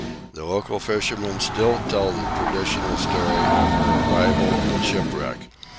The local fishermen still tell the traditional story of her arrival and shipwreck.